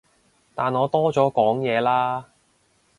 但我多咗講嘢啦